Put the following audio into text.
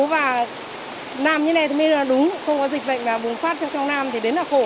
và làm như thế này mới là đúng không có dịch bệnh mà bùng phát cho trong nam thì đến là khổ